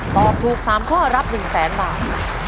ตอบถูก๓ข้อรับ๑แสนบาท